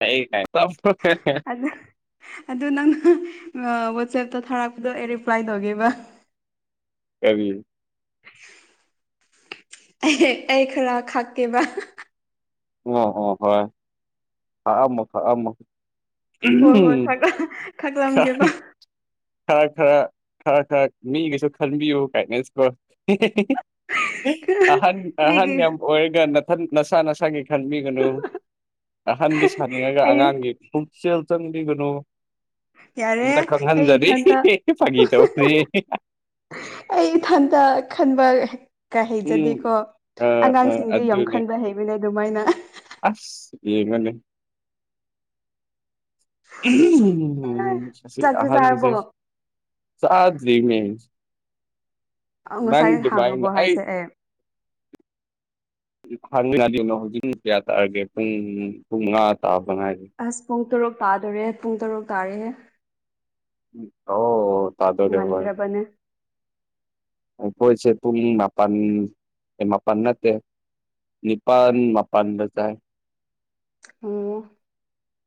ꯇꯩ ꯀꯥꯏ ꯑꯗꯨꯗ ꯑꯗꯨ ꯅꯪꯅ ꯋꯥꯆꯦꯞꯇ ꯊꯥꯔꯛꯄꯗꯣ ꯑꯩ ꯔꯤꯄ꯭ꯂꯥꯏ ꯇꯧꯒꯦꯕ ꯑꯦꯕꯤ ꯑꯩ ꯑꯩ ꯈꯔ ꯈꯥꯛꯀꯦꯕ ꯑꯣ ꯍ ꯍꯣꯏ ꯑꯃ ꯑꯃ ꯍꯣꯏ ꯍꯣꯏ ꯊ ꯊꯥꯛꯂꯝꯒꯦꯕ ꯊ ꯊ ꯈꯔ ꯈꯔ ꯃꯤꯒꯩꯁꯨ ꯈꯟꯕꯤꯌꯨ ꯀꯥꯏꯅꯦꯟꯁꯀꯣ ꯑꯍꯟ ꯑꯍꯟ ꯃꯤꯒꯤ ꯌꯥꯝ ꯑꯣꯏꯔꯒꯊ ꯅꯁꯥ ꯅꯁꯥꯒꯤ ꯈꯟꯕꯤꯒꯅꯨ ꯑꯍꯟꯗꯤ ꯁꯥꯅꯤꯡꯉꯒ ꯑꯩ ꯑꯉꯥꯡꯒꯤ ꯄꯨꯛꯆꯦꯜ ꯆꯪꯕꯤꯒꯅꯨ ꯌꯥꯔꯦ ꯑꯝꯇ ꯑꯩ ꯈꯪꯍꯟꯖꯔꯤ ꯏꯊꯟꯇ ꯐꯥꯒꯤ ꯇꯧꯁꯤ ꯑꯩ ꯏꯊꯟꯇ ꯈꯟꯕ ꯀꯥꯏ ꯎꯝ ꯍꯩꯖꯗꯦꯀꯣ ꯑ ꯑ ꯑꯉꯥꯡꯁꯤꯡꯗꯤ ꯑꯗꯨꯅꯦ ꯌꯥꯝꯣꯈꯟꯕ ꯍꯩꯕꯅꯦ ꯑꯗꯨꯃꯥꯏꯅ ꯑꯁ ꯌꯦꯡꯃꯅꯦ ꯆꯥꯛꯇꯤ ꯆꯥꯔꯕꯣ ꯑꯍꯟꯁꯦ ꯆꯗ꯭ꯔꯤ ꯃ ꯑ ꯉꯁꯥꯏ ꯍꯥꯡꯉꯕꯣ ꯑꯗꯨꯃꯥꯏꯅ ꯑꯩ ꯍꯥꯏꯁꯦ ꯑꯦ ꯍꯪꯃꯤꯅꯗꯅꯣ ꯍꯧꯖꯤꯛ ꯀꯌꯥ ꯇꯥꯛꯑꯒꯦ ꯄꯨꯡ ꯄꯨꯡ ꯃꯉꯥ ꯇꯥꯕ ꯉꯥꯏꯔꯤꯦ ꯑꯁ ꯄꯨꯡ ꯇꯔꯨꯛ ꯇꯥꯗꯣꯔꯦ ꯄꯨꯡ ꯇꯔꯨꯛ ꯇꯥꯔꯦ ꯍꯝ ꯑꯣ ꯇꯥꯗꯣꯔꯦ ꯍꯣꯏ ꯉꯟꯗ꯭ꯔꯕꯅꯦ ꯑꯩꯈꯣꯏꯁꯦ ꯄꯨꯡ ꯃꯥꯄꯜ ꯃꯄꯜ ꯅꯠꯇꯦ ꯅꯤꯄꯥꯟ ꯃꯥꯄꯥꯟꯗ ꯆꯥꯏ ꯑꯣ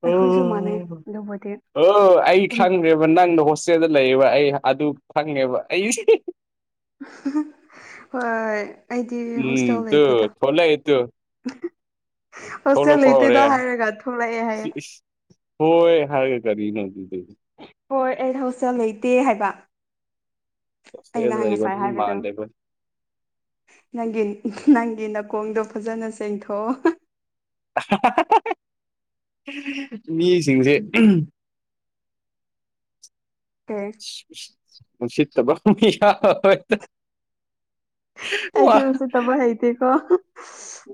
ꯑꯩꯈꯣꯏꯁꯨ ꯃꯥꯟꯅꯩ ꯑꯗꯨꯕꯨꯗꯤ ꯑꯗꯨꯝ ꯍꯣ ꯅꯪꯗꯣ ꯍꯣꯁꯇꯦꯜꯗ ꯂꯩꯕ ꯑꯩ ꯑꯗꯨ ꯐꯪꯉꯦꯕ ꯑꯩ ꯍꯣꯏ ꯑꯩꯗꯤ ꯎꯝ ꯍꯣꯁꯇꯦꯜ ꯇꯨ ꯂꯩꯇꯦꯗ ꯊꯣꯛꯂꯛꯑꯦ ꯇꯨ ꯍꯁꯇꯦꯜ ꯊꯣꯛꯂꯛꯄ ꯍꯧꯔꯦ ꯂꯩꯇꯣꯏꯗ ꯍꯥꯏꯔꯒ ꯊꯣꯛꯂꯛꯑꯦ ꯍꯥꯏꯌꯦ ꯍꯣꯏꯣꯏ ꯍꯔꯦ ꯀꯔꯤ ꯅꯤ ꯇ ꯍꯣꯏ ꯑꯩꯗꯣ ꯍꯥꯎꯁꯇꯦꯜ ꯂꯩꯇꯦ ꯍꯥꯏꯕ ꯑꯩꯅ ꯍꯣꯁꯇꯦꯜꯗ ꯍꯥꯏ ꯂꯩꯕ ꯉꯁꯥꯏ ꯃꯤ ꯍꯥꯏꯕꯗꯣ ꯃꯥꯟꯗꯦꯕ ꯅꯪꯒꯤ ꯅꯪꯒꯤ ꯅꯥꯀꯣꯡꯗꯣ ꯐꯖꯅ ꯆꯦꯡꯊꯣꯛꯑꯣ ꯃꯤꯁꯤꯡꯁꯦ ꯀꯩ ꯎꯁꯤꯠꯇꯕ ꯃꯤ ꯌꯥꯎꯑꯦ ꯑꯩꯗꯤ ꯎꯁꯤꯠꯇꯕ ꯍꯩꯇꯦꯀꯣ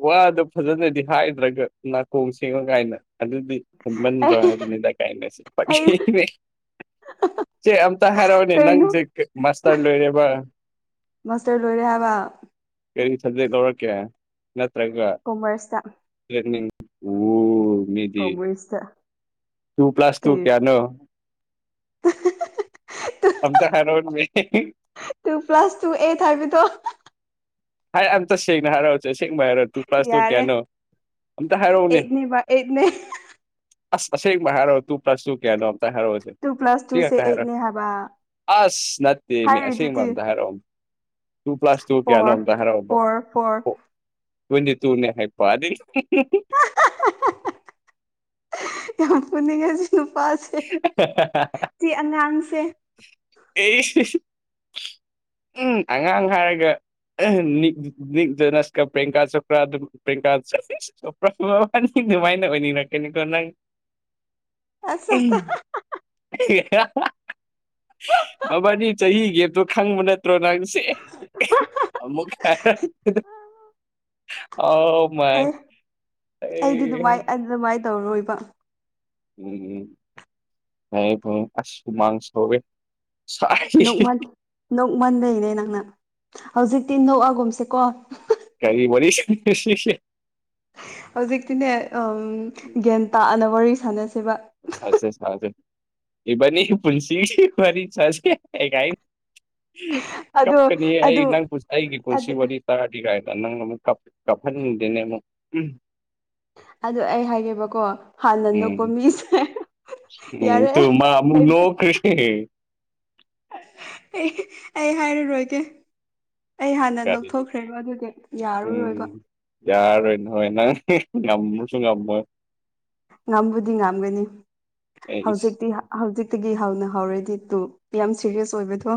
ꯋꯥꯗꯣ ꯐꯖꯅꯗꯤ ꯍꯥꯏꯗ꯭ꯔꯒ ꯅꯥꯀꯣꯡ ꯁꯦꯡꯉ ꯀꯥꯏꯅ ꯑꯗꯨꯗꯤ ꯈꯟꯃꯟꯗ꯭ꯔꯣ ꯑꯩ ꯍꯥꯏꯕꯅꯤꯗ ꯀꯥꯏꯅꯁꯦ ꯑꯩ ꯆꯦ ꯑꯝꯇ ꯍꯥꯏꯔꯛꯑꯣꯅꯦ ꯀꯩꯅꯣ ꯅꯪꯁꯦ ꯃꯥꯁꯇꯔ ꯂꯣꯏꯔꯦꯕ ꯃꯥꯁꯇꯔ ꯂꯣꯏꯔꯦ ꯍꯥꯏꯕ ꯀꯔꯤ ꯁꯕꯖꯦꯛ ꯂꯧꯔꯛꯀꯦ ꯅꯠꯇ꯭ꯔꯒ ꯀꯣꯃꯔꯁꯇ ꯅꯠꯇ꯭ꯔꯒ ꯎ ꯃꯤꯗꯤ ꯀꯣꯃꯔꯁꯇ ꯇꯨ ꯄꯂꯁ ꯇꯨ ꯀꯩ ꯀꯌꯥꯅꯣ ꯑꯝꯇ ꯍꯔ ꯃ ꯇꯨ ꯄ꯭ꯂꯥꯁ ꯇꯨ ꯑꯦꯠ ꯍꯥꯏꯕꯗꯣ ꯍꯥꯏ ꯑꯝ ꯆ ꯁꯦꯡꯅꯦ ꯍꯥꯏꯔꯥꯎ ꯆꯁꯦꯡꯕ ꯍꯥꯏꯔꯣ ꯇꯨ ꯄ꯭ꯂꯥꯁ ꯇꯨ ꯌꯥꯔꯦ ꯀꯌꯥꯅꯣ ꯑꯝꯇ ꯍꯥꯏꯔꯛꯎꯅꯦ ꯑꯩꯠꯅꯦꯕ ꯑꯩꯠꯅꯦ ꯑꯁ ꯑꯁꯦꯠꯕ ꯍꯥꯏꯔꯑꯣ ꯇꯨ ꯄ꯭ꯂꯁ ꯇꯨ ꯀꯌꯥꯣꯝꯇ ꯍꯥꯏꯔꯛꯑꯣꯁꯤ ꯇꯨ ꯄ꯭ꯂꯁ ꯁꯤ ꯇꯨꯁꯦ ꯈꯛꯇ ꯑꯩꯠꯅꯦ ꯍꯥꯏꯔꯛꯑꯣ ꯍꯥꯏꯕ ꯑꯁ ꯅꯠꯇꯦꯅꯦ ꯑꯁꯦꯡꯕ ꯍꯥꯏꯔꯤꯗꯨꯗꯤ ꯑꯝꯇ ꯍꯥꯏꯔꯛꯑꯣ ꯇꯨ ꯄꯤ꯭ꯂꯥꯁ ꯇꯨ ꯄꯌꯥꯅꯣ ꯐꯣꯔ ꯇ ꯍꯥꯏꯔ ꯐꯣꯔ ꯐꯣꯔ ꯇꯌꯦꯟꯇꯤꯇꯨ ꯅꯦ ꯍꯥꯏꯕ ꯑꯗꯩ ꯌꯥꯝ ꯐꯨꯅꯤꯡꯉꯦ ꯁꯤ ꯅꯨꯄꯥꯁꯦ ꯁꯤ ꯑꯉꯥꯡꯁꯦ ꯏ ꯏ ꯏꯁ ꯎꯝ ꯑꯉꯥꯡ ꯍꯥꯏꯔꯒ [unintelligible] [unintelligible] ꯑꯁ ꯑꯁ ꯎꯝ ꯃꯕꯥꯅꯤ ꯆꯍꯤꯒꯤꯦꯇꯣ ꯈꯪꯕ ꯅꯠꯇ꯭ꯔꯣ ꯅꯪꯁꯦ ꯑꯃꯨꯀ ꯑ ꯃꯥꯏ ꯑꯦ ꯑꯩꯗꯤ ꯑꯩ ꯑꯗꯨꯃꯥꯏ ꯑꯗꯨ ꯑꯗꯨꯃꯥꯏꯅ ꯇꯧꯔꯣꯏꯕ ꯎꯝ ꯎꯝ ꯅ ꯐ ꯑꯁꯁꯨꯨꯃꯥꯡ ꯁꯧꯋꯦ ꯁꯥꯏ ꯅꯣꯛꯃꯟ ꯅꯣꯛꯃꯟ ꯂꯩꯅꯦ ꯅꯪꯅ ꯍꯧꯖꯤꯛꯇꯤ ꯅꯣꯛꯑꯒꯨꯝꯁꯦꯀꯣ ꯀꯔꯤ ꯋꯥꯔꯤꯔꯤ ꯍꯧꯖꯤꯛꯇꯤꯅꯦ ꯒ꯭ꯌꯥꯟ ꯇꯥꯛꯑꯅ ꯋꯥꯔꯤ ꯁꯥꯟꯅꯁꯦꯕ ꯁꯦ ꯁꯥꯁꯦ ꯏꯕꯅꯤ ꯄꯨꯟꯁꯤ ꯐꯔꯤ ꯆꯁ ꯀꯦ ꯀꯥꯏ ꯑꯗꯣ ꯀꯞꯀꯅꯤ ꯑꯩ ꯑꯗꯨ ꯅꯪ ꯄꯨꯁꯤ ꯑꯩꯒꯤ ꯄꯨꯜꯁꯤ ꯑꯗꯨ ꯋꯥꯔꯤꯅꯤ ꯇꯔꯗꯤ ꯀꯥꯏꯗ ꯅꯪ ꯑꯃꯨꯛ ꯀꯥꯞꯍꯟꯅꯤꯡꯗꯦꯅꯦ ꯑꯃꯨꯛ ꯎꯝ ꯑꯗꯨ ꯑꯩ ꯍꯥꯏꯒꯦꯕꯀꯣ ꯍꯥꯟꯅ ꯎꯝ ꯅꯣꯛꯄ ꯃꯤꯁꯦ ꯎꯝ ꯌꯥꯔꯦ ꯇꯨ ꯃꯥ ꯑꯃꯨꯛ ꯑꯩ ꯅꯣꯛꯈꯔꯤꯁꯦ ꯑꯩ ꯍꯥꯏꯔꯔꯣꯏꯒꯦ ꯑꯩ ꯍꯥꯟꯅ ꯀꯔꯤ ꯅꯣꯛꯊꯣꯛꯈ꯭ꯔꯦꯕ ꯑꯗꯨꯗꯤ ꯌꯥꯔꯨꯔꯣꯏꯕ ꯌꯥꯔꯣꯏꯅꯣꯏ ꯅꯪ ꯉꯝꯃꯁꯨ ꯉꯝꯃꯣ ꯉꯝꯕꯨꯗꯤ ꯉꯝꯒꯅꯤ ꯑꯩꯁ ꯍꯧꯖꯤꯛꯇꯤ ꯍꯧꯖꯤꯛꯇꯒꯤ ꯍꯧꯅ ꯍꯧꯥꯎꯔꯗꯤ ꯇꯨ ꯌꯥꯝ ꯁꯦꯔꯤꯌꯁ ꯑꯣꯏꯕꯗꯣ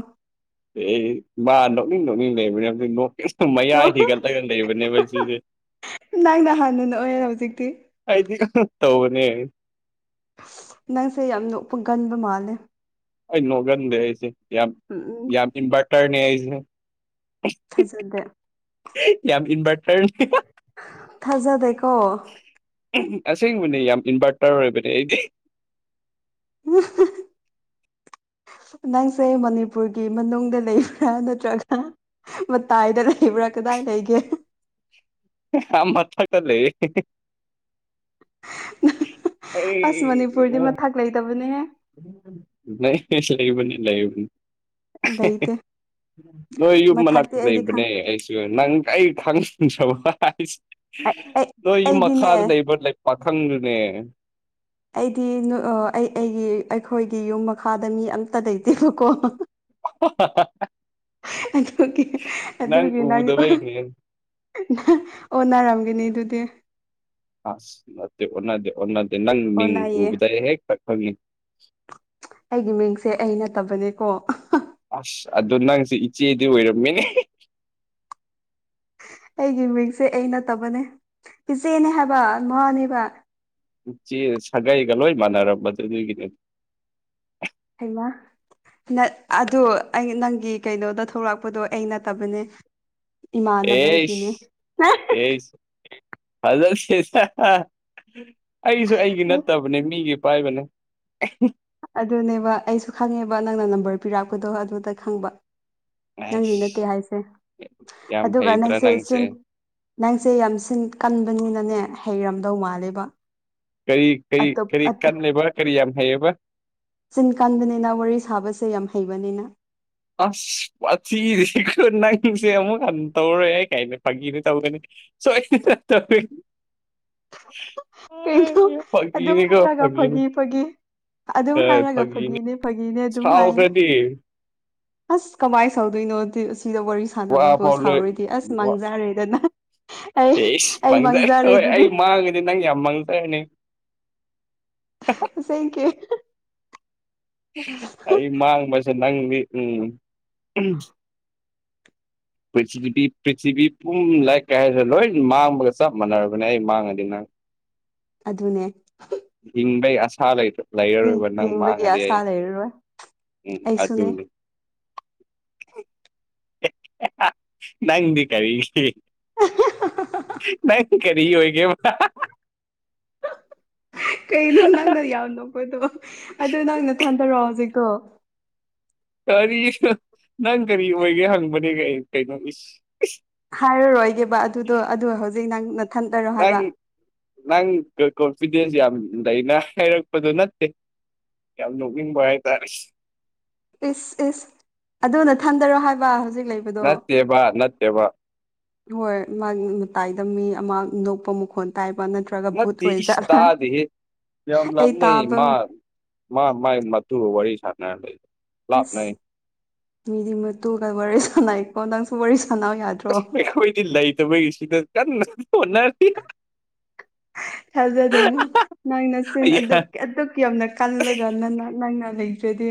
ꯃꯥ ꯅꯣꯛꯅꯤꯡ ꯅꯣꯛꯅꯤꯡ ꯂꯩꯕꯅꯦꯕ ꯅꯣꯔꯠ ꯏꯁꯇꯨ ꯃꯌꯥꯏ ꯍꯦꯟꯒꯠꯂꯒ ꯂꯩꯕꯅꯦꯕ ꯁꯤꯁꯦ ꯗꯥꯡ ꯍꯥꯟꯗꯨꯅ ꯑꯣꯏꯔꯦ ꯍꯧꯖꯤꯛꯇꯤ ꯑꯗꯤ ꯇꯧꯕꯅꯦ ꯅꯪꯁꯦ ꯌꯥꯝ ꯅ ꯎꯄꯒꯟꯕ ꯃꯥꯜꯂꯦ ꯑꯩ ꯅꯣꯒꯟꯦ ꯍꯥꯏꯁꯦ ꯌꯥꯝ ꯎꯝ ꯎꯝ ꯌꯥꯝꯕꯇꯔꯅꯦ ꯍꯥꯏꯁ ꯊꯥꯖꯗꯦ ꯌꯥꯝ ꯏꯟꯚꯔꯇꯔ ꯊꯥꯖꯗꯦꯀꯣ ꯑꯁꯦꯡꯕꯅꯦ ꯌꯥꯝ ꯏꯟꯚꯔꯇꯔ ꯑꯣꯏꯕꯅꯦ ꯑꯩꯗꯤ ꯎ ꯅꯪꯁꯦ ꯃꯅꯤꯄꯨꯔꯒꯤ ꯃꯅꯨꯡꯗ ꯂꯩꯕ꯭ꯔꯥ ꯅꯠꯇ꯭ꯔꯒ ꯃꯇꯥꯏꯗ ꯂꯩꯕ꯭ꯔꯥ ꯀꯗꯥꯏ ꯂꯩꯒꯦ ꯃꯊ ꯀꯜꯂꯤ ꯑꯁ ꯂꯩ ꯃꯅꯤꯄꯨꯔꯗꯤ ꯃꯊꯛ ꯂꯩꯇꯕꯅꯦꯍ ꯅ ꯂꯩ ꯂꯩꯕꯅꯤ ꯂꯩꯕꯅꯤ ꯂꯩꯇꯦ ꯅꯣꯏ ꯌꯨꯝ ꯃꯊꯛꯇꯤ ꯃꯅꯥꯛꯇ ꯑꯩꯗꯤ ꯂꯩꯕꯅꯦ ꯈꯪ ꯑꯩ ꯅꯪ ꯑꯩ ꯈꯪꯟꯖꯕ ꯍꯥꯏꯁꯦ ꯑꯩ ꯅꯣꯏꯒꯤꯨꯝ ꯑꯩꯗꯤꯅꯦ ꯃꯈꯥꯗ ꯂꯩꯕ ꯄꯥꯊꯪꯗꯨꯅꯦ ꯑꯩꯗꯤ ꯑꯩ ꯑꯩꯒꯤ ꯑꯩꯈꯣꯏꯒꯤ ꯌꯨꯝ ꯃꯈꯥꯗ ꯃꯤ ꯑꯝꯇ ꯂꯩꯇꯦꯕꯀꯣ ꯑꯣ ꯑꯗꯨꯒꯤ ꯑꯗꯨꯒꯤ ꯅꯪ ꯑꯣꯟꯅꯅꯥꯔꯝꯒꯅꯤ ꯑꯗꯨꯗꯤ ꯑꯁ ꯅ ꯑꯣꯗꯤ ꯑꯣꯗꯤ ꯅꯪ ꯃꯤ ꯑꯣꯟꯅꯩꯌꯦ ꯎꯕꯗ ꯍꯦꯛ ꯀ ꯈꯪꯉꯦ ꯑꯩꯒꯤ ꯃꯤꯡꯁꯦ ꯑꯩ ꯅꯠꯇꯕꯅꯦꯀꯣ ꯑꯁ ꯑꯗꯨꯗꯣ ꯅꯪꯁꯨ ꯏꯆꯦꯗꯤ ꯑꯣꯏꯔꯝꯃꯤꯅꯦ ꯑꯩꯒꯤ ꯃꯤꯡꯁꯦ ꯑꯩ ꯅꯠꯇꯕꯅꯦ ꯏꯆꯦꯅꯦ ꯍꯥꯏꯕ ꯃꯥꯅꯦꯕ ꯎꯆꯦ ꯁꯥꯒꯩꯒ ꯂꯣꯏ ꯃꯥꯟꯅꯔꯝꯕ ꯑꯗꯨ ꯑꯗꯨꯒꯤꯅꯦ ꯍꯃ ꯑꯗ ꯑꯩ ꯅꯪꯒꯤ ꯀꯩꯅꯣꯗ ꯊꯣꯛꯂꯛꯄꯗꯣ ꯑꯩ ꯅꯠꯇꯕꯅꯦ ꯏꯃꯥꯟꯅꯕꯕꯔ ꯀꯅꯦ ꯀꯁ ꯐꯖꯛꯁꯤ ꯑꯩꯁꯨ ꯑꯩꯒꯤ ꯅꯠꯇꯕꯅꯦ ꯃꯤꯒꯤ ꯄꯥꯏꯕꯅꯦ ꯑꯗꯨꯅꯦꯕ ꯑꯩꯁꯨ ꯈꯪꯉꯦꯕ ꯅꯪꯅ ꯅꯝꯕꯔ ꯄꯤꯔꯛꯄꯗꯣ ꯑꯗꯨꯗ ꯈꯪꯕ ꯅꯪꯗꯤ ꯅꯠꯇꯦ ꯑꯩꯁ ꯍꯥꯏꯁꯦ ꯌꯥꯝ ꯑꯗꯨꯒ ꯍꯩꯗ꯭ꯔꯥ ꯅꯪꯁꯦ ꯁꯤꯟ ꯅꯪꯁꯦ ꯌꯥꯝ ꯁꯤꯟ ꯀꯟꯕꯅꯤꯅꯅꯦ ꯍꯩꯔꯝꯗꯧ ꯃꯥꯜꯂꯦꯕ ꯀꯩ ꯀꯩ ꯑꯇꯣꯞ ꯀꯔꯤ ꯑꯇꯣꯞ ꯀꯟꯂꯦꯕ ꯀꯔꯤ ꯌꯥꯝ ꯍꯩꯌꯦꯕ ꯆꯤꯟ ꯀꯟꯕꯅꯤꯅ ꯋꯥꯔꯤ ꯁꯥꯕꯁꯦ ꯌꯥꯝ ꯍꯩꯕꯅꯤꯅ ꯑꯁ ꯋꯥꯊꯗꯤꯀꯣ ꯅꯪꯁꯦ ꯑꯃꯨꯛ ꯍꯟꯅ ꯇꯧꯔꯛꯑꯦ ꯀꯥꯏꯅ ꯐꯥꯒꯤ [unintelligible] ꯇꯧꯒꯅꯤ ꯁꯣꯏ [unintelligible] ꯀꯩꯅꯣ ꯑꯗꯨꯝ ꯐꯥꯒꯤꯅꯤꯀꯣ ꯍꯥꯏꯔꯒ ꯐꯥꯒꯤꯅꯤ ꯐꯒꯤ ꯐꯒꯤ ꯑꯗꯨꯝ ꯑ ꯍꯥꯏꯔꯒ ꯐꯥꯒꯤꯅꯤ ꯐꯥꯒꯤꯅꯦ ꯐꯥꯒꯤꯅꯦ ꯑꯗꯨꯝ ꯍꯥꯏ ꯁꯥꯎꯈ꯭ꯔꯗꯤ ꯑꯁ ꯀꯃꯥꯏꯅ ꯁꯧꯗꯣꯏꯅꯣ ꯁꯤꯗ ꯋꯥꯔꯤ ꯁꯥꯟꯅꯕꯕꯨꯣꯠ ꯋꯥꯐꯥꯎ ꯂꯣꯏ ꯁꯥꯎꯔꯤꯗꯤ ꯑꯁ ꯋꯥ ꯃꯥꯡꯖꯔꯦꯗꯅ ꯑꯩ ꯑꯦꯁ ꯑꯩ ꯃꯥꯡꯖꯔꯦ ꯍꯣꯏ ꯑꯗꯨꯗꯤ ꯑꯩ ꯃꯥꯡꯉꯗꯤ ꯅꯪ ꯌꯥꯝꯃꯥꯡ ꯆꯅꯦ ꯊꯦꯡꯀꯤ꯭ꯌꯨ ꯑꯩ ꯃꯥꯡꯕꯁꯦ ꯅꯪꯗꯤ ꯎꯝ [inaudible] ꯄ꯭ꯔꯤꯊꯤꯕꯤ ꯄ꯭ꯔꯤꯊꯤꯕꯤ ꯄꯨꯝ ꯂꯥꯏꯔꯤꯛ ꯀꯥꯏ ꯍꯥꯏꯔꯁꯤ ꯂꯣꯏ ꯃꯥꯡꯕꯒ ꯆꯞ ꯃꯥꯟꯅꯔꯕꯅꯦ ꯑꯩ ꯃꯥꯡꯉꯗꯤ ꯅꯪ ꯑꯗꯨꯅꯦ ꯍꯤꯡꯕꯩ ꯑꯁꯥ ꯂꯩ ꯂꯩꯔꯔꯣꯏꯕ ꯅꯪ ꯍꯤꯡꯕꯒꯤ ꯃꯥꯡꯉꯗꯤ ꯑꯩ ꯑꯁꯥ ꯂꯩꯔꯔꯣꯏ ꯎꯝ ꯑꯩꯁꯨꯅꯦ ꯑꯗꯨꯅꯦ [unintelligible] ꯅꯪꯗꯤ ꯀꯔꯤ [unintelligible] ꯅꯪ ꯀꯔꯤ ꯑꯣꯏꯒꯦ [unintelligible] ꯀꯩꯅꯣ ꯅꯪꯅ ꯌꯥꯝ ꯅꯄꯗꯣ ꯑꯗꯨ ꯅꯪ ꯅꯊꯟꯗꯔꯣ ꯍꯧꯖꯤꯛꯇꯣ ꯀꯔꯤ ꯅꯪ ꯀꯔꯤ ꯑꯣꯏꯒꯦ ꯍꯪꯕꯅꯦ ꯀꯩ ꯀꯩꯅꯣ ꯏꯁ ꯍꯥꯏꯔꯔꯣꯏꯒꯦꯕ ꯑꯗꯨꯗꯣ ꯑꯗꯨ ꯍꯧꯖꯤꯛ ꯅꯪ ꯅꯊꯟꯇꯔꯣ ꯅꯪ ꯍꯥꯏꯕ ꯅꯪ ꯀꯣꯟꯐꯤꯗꯦꯟꯁ ꯌꯥꯝ ꯂꯩꯅ ꯍꯥꯏꯔꯛꯄꯗꯨ ꯅꯠꯇꯦ ꯌꯥꯝ ꯅꯣꯛꯅꯤꯡꯕ ꯍꯥꯏꯇꯥꯔꯦ ꯏꯁ ꯏꯁ ꯑꯗꯨ ꯅꯊꯟꯗꯔꯣ ꯍꯥꯏꯕ ꯍꯧꯖꯤꯛ ꯂꯩꯕ ꯅꯠꯇꯦꯕ ꯅꯠꯇꯦꯕ ꯍꯣꯏ ꯃꯥꯒꯤ ꯃꯇꯥꯏꯗ ꯃꯤ ꯑꯃ ꯅꯣꯛꯄ ꯃꯈꯣꯟ ꯇꯥꯏꯕ ꯅꯠꯇ꯭ꯔ ꯅꯠꯇꯦ ꯏꯁ ꯇꯥꯗꯦꯍꯦ ꯂꯥꯝ ꯑꯩ ꯂꯥꯞꯅꯩ ꯇꯥꯕ ꯃꯥ ꯃꯥ ꯃꯥꯥꯏ ꯃꯇꯨꯒ ꯋꯥꯔꯤ ꯁꯥꯥꯟꯅꯔꯅ ꯂꯩ ꯑꯁ ꯂꯥꯞꯅꯩ ꯃꯤꯗꯤ ꯃꯇꯨꯒ ꯋꯥꯔꯤ ꯁꯥꯅꯩꯀꯣ ꯅꯪꯁꯨ ꯋꯥꯔꯤ ꯁꯅꯧ ꯌꯥꯗꯔ ꯑꯩꯈꯣꯏꯗꯤ ꯂꯩꯇꯕꯒꯤ ꯁꯤꯗ ꯀꯟꯅ ꯍꯣꯠꯅꯔꯤ [inaudible] ꯊꯥꯖꯗꯦꯉꯣ ꯅꯪꯅ ꯆꯤꯟ ꯑꯗꯨꯛ ꯑꯗꯨꯛ ꯌꯥꯝꯅ ꯀꯜꯂꯒ ꯅ ꯅꯪꯅ ꯂꯩ ꯇꯗꯤ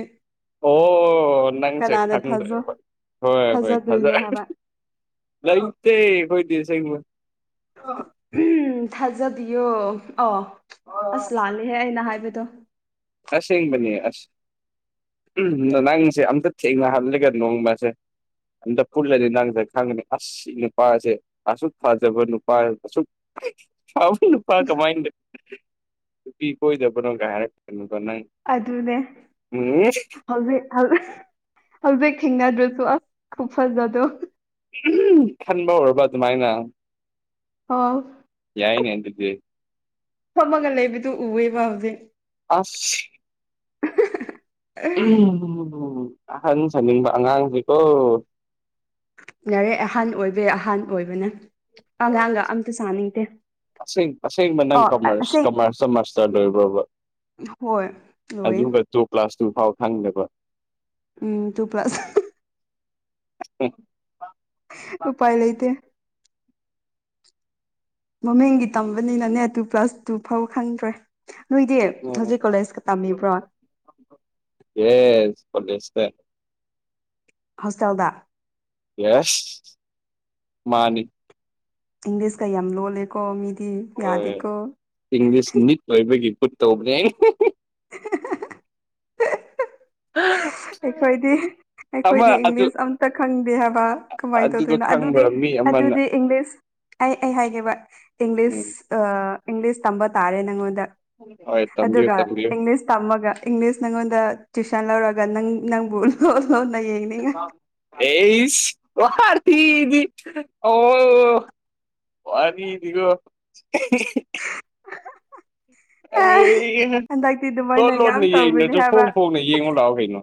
ꯑꯣ ꯅꯪꯁꯦ ꯈꯪꯗ꯭ꯔꯦ ꯊꯥꯖ ꯍꯣꯏ ꯍꯣꯏ ꯍꯣꯏ ꯐꯖ ꯊꯥꯖꯗꯣꯏꯅꯣ ꯍꯥꯏꯕ ꯂꯩꯇꯦ ꯈꯣꯏꯗꯤ ꯑꯁꯦꯡꯕ ꯎꯝ ꯊꯥꯖꯕꯤꯌꯣ ꯑꯣ ꯑꯁ ꯂꯥꯜꯂꯦꯍꯦ ꯑꯩꯅ ꯍꯥꯏꯕꯗꯣ ꯑꯁꯦꯡꯕꯅꯦ ꯑꯁ ꯎꯝ ꯅꯪꯁꯦ ꯑꯝꯇ ꯊꯦꯡꯅꯍꯜꯂꯦꯒ ꯅꯣꯡꯃꯁꯦ ꯑꯝꯇ ꯄꯨꯜꯂꯗꯤ ꯅꯪꯖꯦ ꯈꯪꯒꯅꯤ ꯑꯁ ꯁꯤ ꯅꯨꯄꯥꯁꯦ ꯑꯁꯨꯛ ꯐꯖꯕ ꯅꯨꯄꯥ ꯑꯁꯨꯛ ꯐꯕ ꯅꯨꯄꯥ ꯀꯃꯥꯏꯅ ꯅꯨꯄꯤ ꯀꯣꯏꯗꯕꯅꯣ ꯀꯥꯏ ꯍꯔꯀꯅꯨꯀꯣ ꯅꯪ ꯑꯗꯨꯅꯦ ꯎꯝ ꯍꯧꯖꯤꯛ ꯍꯧꯖꯤꯛ ꯊꯦꯡꯅꯗ꯭ꯔꯁꯨ ꯑꯁ ꯈꯨ ꯐꯖꯗꯣ [unintelligible] ꯈꯟꯕ ꯍꯧꯔꯕ ꯑꯗꯨꯃꯥꯏꯅ ꯑꯣ ꯌꯥꯏꯅꯦ ꯑꯗꯨꯗꯤ ꯐꯝꯃꯒ ꯂꯩꯕꯗꯨ ꯎꯋꯦꯕ ꯍꯧꯖꯤꯛ ꯑꯁ [unintelligible] ꯑꯍꯟ ꯁꯥꯅꯤꯡꯕ ꯑꯉꯥꯡꯁꯤꯀꯣ ꯌꯥꯔꯦ ꯑꯍꯥꯟ ꯑꯣꯏꯕꯩ ꯑꯍꯥꯟ ꯑꯣꯏꯕꯅꯦ ꯑꯉꯥꯡꯒ ꯑꯝꯇ ꯁꯥꯅꯤꯡꯇꯦ ꯑꯁꯦꯡ ꯑꯁꯦꯡꯕ ꯅꯪ ꯀꯃꯔꯁ ꯀꯃꯔꯁꯇ ꯃꯥꯁꯇꯔ ꯂꯣꯏꯕ꯭ꯔꯣꯕ ꯍꯣꯏ ꯂꯣꯏꯌꯦ ꯑꯗꯨꯒ ꯇꯨ ꯀ꯭ꯂꯥꯁ ꯇꯨ ꯐꯥꯎ ꯈꯪꯗꯕ ꯎꯝ ꯇꯨ ꯄ꯭ꯂꯁ ꯑꯣ ꯎꯄꯥꯏ ꯂꯩꯇꯦ ꯃꯃꯤꯡꯒꯤ ꯇꯝꯕꯅꯤꯅꯅꯦ ꯇꯨ ꯄ꯭ꯂꯁ ꯇꯨ ꯐꯥꯎ ꯈꯪꯗ꯭ꯔꯦ ꯅꯣꯏꯗꯤ ꯍꯧꯖꯤꯛ ꯀꯣꯂꯦꯖꯀ ꯇꯝꯃꯤꯕ꯭ꯔꯣ ꯌꯦꯁ ꯀꯣꯂꯦꯖꯇ ꯍꯣꯁꯇꯦꯜꯗ ꯌꯦꯁ ꯃꯥꯅꯤ ꯏꯪꯂꯤꯁꯀ ꯌꯥꯝ ꯂꯣꯜꯂꯦꯀꯣ ꯃꯤꯗꯤ ꯍꯣꯏ ꯌꯥꯗꯦꯀꯣ ꯏꯪꯂꯤꯁ ꯅꯤꯠ ꯑꯣꯏꯕꯒꯤ ꯠ ꯇꯧꯕꯅꯦ [inaudible] ꯑ ꯑꯩꯈꯣꯏꯗꯤ ꯑꯩꯈꯣꯏꯗꯤ ꯏꯪꯂꯤꯁ ꯑꯝꯇ ꯈꯪꯗꯦ ꯍꯥꯏꯕ ꯀꯃꯥꯏꯅ ꯑꯗꯨꯗꯣ ꯇꯧꯗꯣꯏꯅꯣ ꯑꯗꯨꯗꯤ ꯈꯪꯕ꯭ꯔꯥ ꯃꯤ ꯑꯃꯅ ꯑꯗꯨꯗꯤ ꯏꯪꯂꯤꯁ ꯑꯩ ꯑꯩ ꯍꯥꯏꯒꯦꯕ ꯎꯝ ꯏꯪꯂꯤꯁ ꯏꯪꯂꯤꯁ ꯇꯝꯕ ꯇꯥꯔꯦ ꯅꯪꯉꯣꯟꯗ ꯍꯣꯏ ꯇꯝꯕꯤꯌꯨ ꯑꯗꯨꯒ ꯇꯝꯕꯤꯌꯨ ꯏꯪꯂꯤꯁ ꯇꯝꯃꯒ ꯏꯪꯂꯤꯁ ꯅꯪꯉꯣꯟꯗ ꯇ꯭ꯋꯁꯟ ꯂꯧꯔꯒ ꯅꯪ ꯅꯪꯕꯨ ꯂꯣꯟ ꯂꯣꯟꯅ ꯌꯦꯡꯉ ꯑꯩꯁ ꯋꯥꯔꯊꯗꯤ ꯑꯣ ꯋꯥꯅꯤꯗꯤꯒꯣ ꯑꯩ ꯍꯟꯗꯛꯇꯤ ꯂꯣꯟ ꯑꯗꯨꯃꯥꯏꯅ ꯌꯥꯝ ꯂꯣꯟꯅ ꯇꯧꯕꯅꯦ ꯌꯦꯡꯗꯁꯨ ꯍꯥꯏꯕ ꯐꯣꯡ ꯐꯣꯡꯅ ꯌꯦꯡꯉꯨ ꯂꯥꯛꯑꯣ ꯀꯩꯅꯣ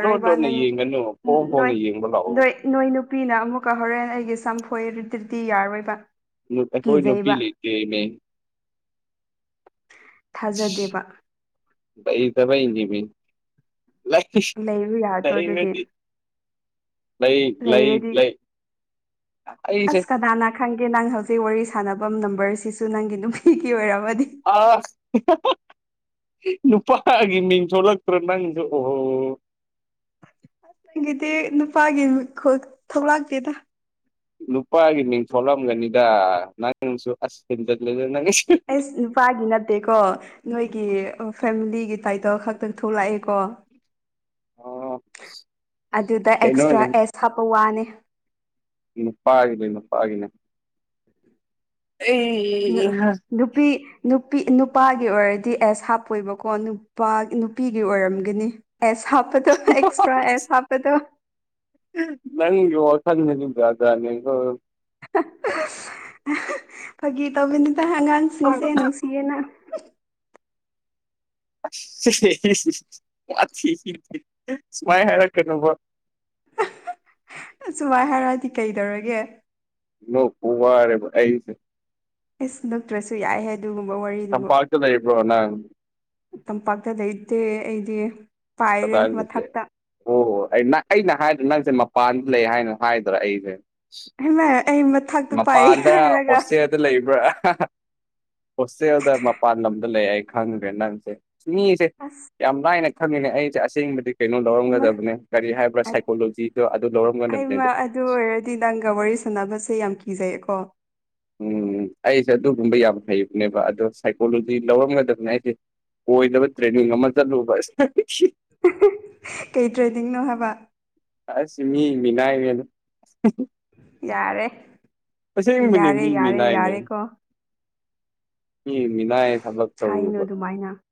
ꯂꯣꯟ ꯂꯣꯟꯅ ꯅꯪ ꯌꯦꯡꯒꯅꯨ ꯄꯣꯡ ꯅꯣꯏ ꯄꯣꯡꯅ ꯌꯦꯡꯕ ꯂꯥꯛꯑꯣ ꯅꯣꯏ ꯅꯣꯏ ꯅꯨꯄꯤꯅ ꯑꯃꯨꯛꯀ ꯍꯣꯔꯦꯟ ꯑꯩꯒꯤ ꯁꯝꯐꯣꯏꯗꯤꯤ ꯌꯥꯔꯣꯏꯕ ꯀꯣꯏ ꯅꯨꯄꯤ ꯀꯤꯖꯩꯕ ꯂ ꯀ ꯊꯥꯖꯗꯦꯕ ꯇ ꯃꯤꯗꯤ ꯂꯩꯕ ꯌꯥꯗ꯭ꯔꯣ ꯑꯗꯨꯗꯤ ꯂꯩ ꯂꯩ ꯂꯩꯔꯗꯤ ꯂꯩ ꯑꯩꯁꯦ ꯑꯁ ꯀꯅꯥꯅ ꯈꯪꯒꯦ ꯅꯪ ꯍꯧꯖꯤꯛ ꯋꯥꯔꯤ ꯁꯥꯟꯅꯐꯝ ꯅꯝꯕꯔꯁꯤꯁꯨ ꯅꯪꯒꯤ ꯅꯨꯄꯤꯒꯤ ꯑꯣꯏꯔꯝꯔꯕꯗꯤ ꯑ ꯅꯨꯄꯥꯒꯤ ꯃꯤꯟ ꯆꯣꯂꯛꯇ꯭ꯔ ꯅꯪꯁꯨ ꯑꯣꯣ ꯒꯤꯗꯤ ꯅꯨꯄꯥꯒꯤ ꯊꯧꯂꯥꯛꯇꯦꯗ ꯅꯨꯄꯥꯒꯤ ꯃꯤꯡ ꯊꯣꯛꯣꯂꯝꯒꯅꯤꯗ ꯅꯪꯁꯨ ꯑꯁ ꯍꯤꯟꯖꯜꯂꯦꯗ ꯅꯪ ꯑꯩꯁ ꯅꯨꯄꯥꯒꯤ ꯅꯠꯇꯦꯀꯣ ꯅꯣꯏꯒꯤ ꯐꯦꯃꯤꯂꯤꯒꯤ ꯇꯥꯏꯇꯜ ꯈꯛꯇ ꯊꯣꯛꯂꯛꯑꯦ ꯀꯣ ꯑꯣ ꯑꯗꯨꯗ ꯑꯦꯛꯁꯇ꯭ꯔꯥ ꯀꯩꯅꯣꯅꯦ ꯑꯦꯁ ꯍꯥꯞꯄ ꯋꯥꯅꯤ ꯅꯨꯄꯥꯒꯤꯅꯦ ꯅꯨꯄꯥꯒꯤꯅꯦ ꯑꯦ ꯅꯨꯄꯤ ꯅꯨꯄꯤ ꯅꯨꯄꯥꯒꯤ ꯑꯣꯏꯔꯗꯤ ꯑꯦꯁ ꯍꯥꯞꯄꯣꯏꯕꯀꯣ ꯅꯨꯄꯥ ꯅꯨꯄꯤꯒꯤ ꯑꯣꯏꯔꯝꯒꯅꯤ ꯑꯦꯁ ꯍꯥꯞꯄꯗꯣ ꯑꯦꯛꯁꯇ꯭ꯔꯥ ꯑꯦꯁ ꯍꯥꯞꯄꯗꯣ ꯅ ꯌꯁꯖꯤꯗꯅꯤ ꯐꯥꯒꯤ ꯇꯧꯕꯤꯅꯤꯅ ꯑꯉꯥꯡꯁꯤꯡꯁꯦ ꯅꯨꯡꯁꯤꯌꯦꯅ ꯑꯊ ꯁꯨꯃꯥꯏꯅ ꯍꯥꯏꯔꯛꯀꯅꯕ ꯑꯁꯨ ꯋꯥꯏ ꯍꯥꯏꯔꯗꯤ ꯀꯩꯗꯧꯔꯒꯦ ꯂꯨ ꯋꯥꯔꯦꯕ ꯑꯩꯁ ꯏꯁ ꯅꯛꯇ꯭ꯔꯁꯨ ꯌꯥꯏ ꯍꯥꯏ ꯋꯥꯔꯤ ꯅꯝ ꯄꯥꯇꯗꯦ ꯏꯕꯣꯅ ꯇꯝꯄꯥꯛꯇ ꯂꯩꯇꯦ ꯑꯩꯗꯤ ꯄꯥꯏꯔꯦ ꯆꯗꯥꯅꯤꯁꯦ ꯃꯊꯛꯇ ꯑꯣꯍꯣꯏ ꯑꯩ ꯅꯪ ꯑꯩꯅ ꯍꯥꯏꯗꯥ ꯅꯪꯁꯦ ꯃꯄꯥꯟꯗ ꯂꯩ ꯍꯥꯏꯅ ꯍꯥꯏꯗ꯭ꯔꯥ ꯑꯩꯁꯦ ꯍꯃ ꯑꯃ ꯃꯄꯥꯟꯗ ꯍꯁ ꯗ ꯂꯩꯕ꯭ꯔꯥ ꯍꯣꯁꯇꯦꯜꯗ ꯃꯄꯥꯟ ꯂꯝꯗ ꯂꯩ ꯑꯩ ꯈꯪꯗ꯭ꯔꯦ ꯅꯪꯁꯦ ꯃꯤꯁꯦ ꯑꯁ ꯌꯥꯝ ꯂꯥꯏꯅ ꯈꯪꯉꯤꯅꯦ ꯑꯩꯁꯦ ꯑꯁꯦꯡꯕꯗꯤ ꯀꯩꯅꯣ ꯍꯩꯃ ꯂꯧꯔꯝꯒꯗꯕꯅꯦ ꯀꯔꯤ ꯍꯥꯏꯕ꯭ꯔꯥ ꯁꯥꯏꯀꯣꯂꯣꯖꯤꯗꯣ ꯑꯗꯨ ꯍꯩꯃ ꯂꯧꯔꯝꯒꯗꯕꯅꯦꯗꯣ ꯑꯗꯨ ꯑꯣꯏꯔꯗꯤ ꯅꯪꯒ ꯋꯥꯔꯤ ꯁꯥꯟꯅꯕꯁꯦ ꯌꯥꯝ ꯀꯤꯖꯩꯌꯦ ꯀꯣ ꯎꯝ ꯑꯩꯁꯦ ꯑꯗꯨꯒꯨꯝꯕ ꯌꯥꯝ ꯍꯩꯕꯅꯦꯕ ꯑꯗꯣ ꯁꯥꯏꯀꯣꯂꯣꯖꯤ ꯂꯧꯔꯝꯒꯗꯕꯅꯦ ꯑꯩꯗꯤꯦ ꯑꯣꯏꯗꯕ ꯇ꯭ꯔꯦꯅꯤꯡ ꯑꯃ ꯆꯠꯂꯨꯕ ꯀꯩ ꯇ꯭ꯔꯦꯅꯤꯡꯡꯅꯣ ꯍꯥꯏꯕ ꯑꯁ ꯃꯤ ꯃꯤꯅꯥ ꯃꯅ ꯌꯥꯔꯦ ꯑꯁꯦꯡꯕꯅꯦ ꯌꯥꯔꯦ ꯃꯤ ꯌꯥꯔꯦ ꯃꯤꯅꯥꯏꯅꯦ ꯌꯥꯔꯦꯀꯣ ꯃꯤꯅꯥꯏ ꯊꯕꯛ ꯍꯥꯏꯅꯨ ꯇꯧꯔꯨꯕ ꯑꯗꯨꯃꯥꯏꯅ